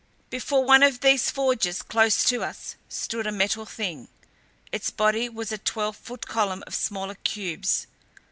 Before one of these forges, close to us, stood a Metal Thing. Its body was a twelve foot column of smaller cubes.